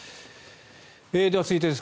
では、続いてです。